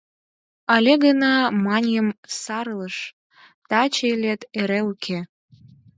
Але гына маньым, сар илыш — таче илет, эре уке.